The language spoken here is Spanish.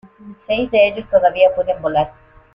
Seis de ellos todavía pueden volar.